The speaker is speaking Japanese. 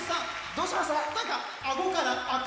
どうしました